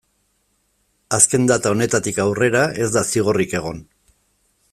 Azken data honetatik aurrera ez da zigorrik egon.